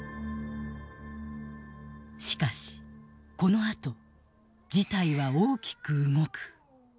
しかしこのあと事態は大きく動く。